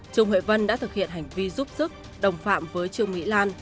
trung huệ vân đã thực hiện hành vi giúp sức đồng phạm với trương mỹ lan